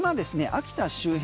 秋田周辺